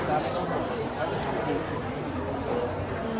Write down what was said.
สัตเจยจริงที่ด่านอันนี้